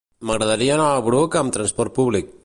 M'agradaria anar al Bruc amb trasport públic.